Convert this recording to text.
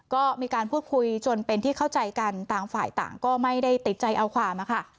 ก็มีการพูดคุยจนเป็นที่เข้าใจกันต่างฝ่ายต่างก็ไม่ได้ติดใจเอาความอะค่ะ